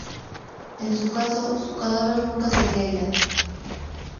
En su caso, su cadáver nunca sería hallado.